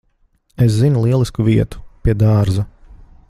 Es zinu lielisku vietu. Pie dārza.